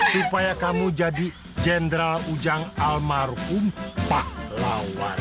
supaya kamu jadi jendral ujang almarhum pak lawar